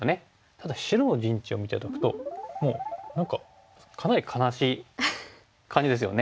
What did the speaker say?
ただ白の陣地を見て頂くともう何かかなり悲しい感じですよね。